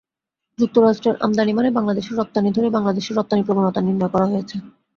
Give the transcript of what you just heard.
যুক্তরাষ্ট্রের আমদানি মানে বাংলাদেশের রপ্তানি ধরে বাংলাদেশের রপ্তানির প্রবণতা নির্ণয় করা হয়েছে।